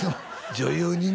女優にね